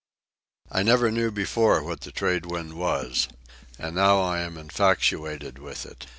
I never knew before what the trade wind was. And now I am infatuated with it.